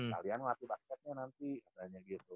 kalian ngelatih basketnya nanti adanya gitu